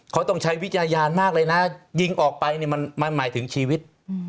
เขาต้องใช้วิจารณญาณมากเลยนะยิงออกไปเนี่ยมันหมายถึงชีวิต